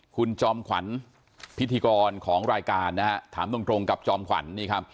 คุณจอมขวัญพิธีกรของรายการถามตรงกับจอมขวัญ